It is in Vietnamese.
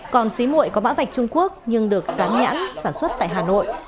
còn xí mụi có mã vạch trung quốc nhưng được rán nhãn sản xuất tại hà nội